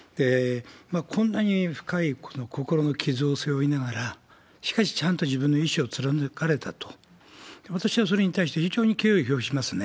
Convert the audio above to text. こんなに深い、この心の傷を背負いながら、しかし、ちゃんと自分の意思を貫かれたと、私はそれに対して非常に敬意を表しますね。